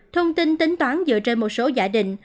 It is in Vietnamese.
thông tin tính toán dựa trên một số giả định